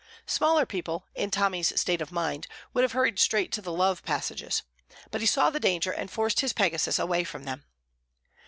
Smaller people, in Tommy's state of mind, would have hurried straight to the love passages; but he saw the danger, and forced his Pegasus away from them.